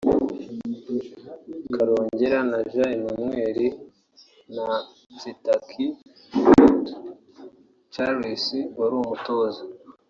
Karongera na Géant Emmanuel na Sitaki Charles wari umutoza